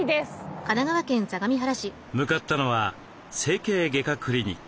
向かったのは整形外科クリニック。